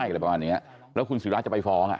อะไรประมาณเนี้ยแล้วคุณศิราจะไปฟ้องอ่ะ